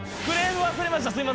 クレーム忘れました